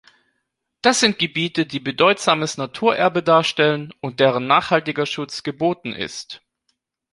Das sind Gebiete, die bedeutsames Naturerbe darstellen und deren nachhaltiger Schutz geboten ist.